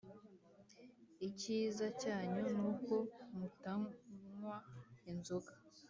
icyiza cyanyu nuko mutanywa inzoga